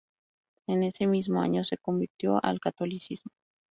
En ese mismo año se convirtió al catolicismo.